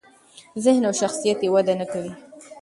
ذهن او شخصیت یې وده نکوي.